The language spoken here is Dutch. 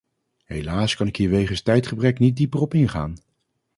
Helaas kan ik hier wegens tijdgebrek niet dieper op ingaan.